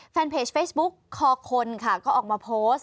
แฟนเพจเฟซบุ๊กคอคนค่ะก็ออกมาโพสต์